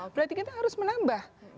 berarti kita harus menambah